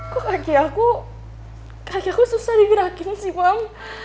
kok kaki aku susah digerakin sih mam